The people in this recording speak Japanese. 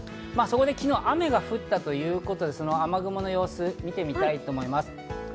昨日、雨が降ったということで、その雨雲の様子を見てみたいと思います。